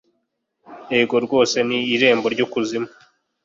ego rwose ni irembo ry'ikuzimu